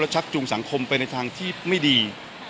ชักจูงสังคมไปในทางที่ไม่ดี